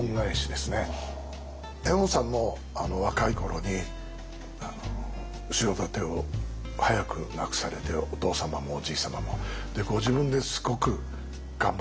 猿翁さんも若い頃に後ろ盾を早く亡くされてお父様もおじい様もご自分ですごく頑張ってらっしゃったんですね。